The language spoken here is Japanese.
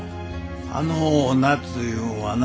あのお夏いうんはな。